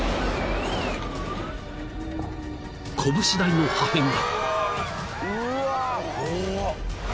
［こぶし大の破片が］